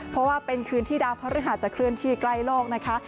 เพราะว่าเป็นคืนที่ดาวพระฤหัสจะเคลื่อนที่ใกล้โลกนะคะ